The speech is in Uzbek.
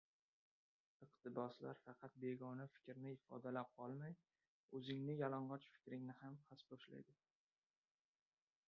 — Iqtiboslar faqat begona fikrni ifodalab qolmay, o‘zingning yalang‘och fikringni ham xaspo‘shlaydi.